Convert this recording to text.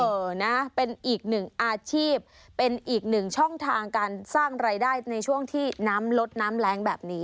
เออนะเป็นอีกหนึ่งอาชีพเป็นอีกหนึ่งช่องทางการสร้างรายได้ในช่วงที่น้ำลดน้ำแรงแบบนี้